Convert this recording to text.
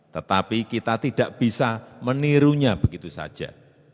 tetapi kita tidak bisa menirunya begitu saja